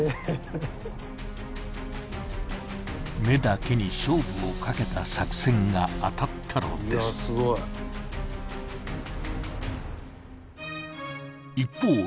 目だけに勝負をかけた作戦が当たったのです一方